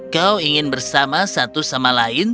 kau ingin bersama satu sama lain